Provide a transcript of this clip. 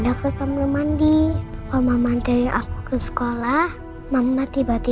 aku pengen bayi unfairating